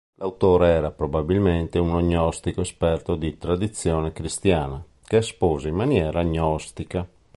L'autore era probabilmente uno gnostico esperto di tradizione cristiana, che espose in maniera gnostica.